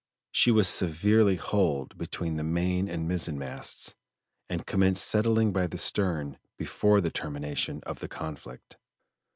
She was severely hulled between the main and mizzen masts, and commenced settling by the stern before the termination of the conflict.